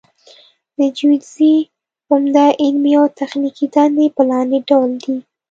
د جیودیزي عمده علمي او تخنیکي دندې په لاندې ډول دي